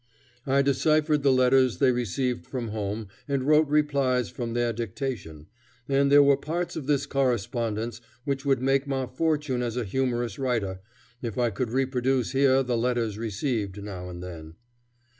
I deciphered the letters they received from home and wrote replies from their dictation, and there were parts of this correspondence which would make my fortune as a humorous writer, if I could reproduce here the letters received now and then.